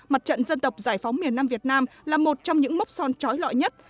mặt trận dân tộc giải phóng miền nam việt nam là một trong những mốc son trói lọi nhất